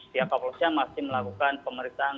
pihak kepolisian masih melakukan pemeriksaan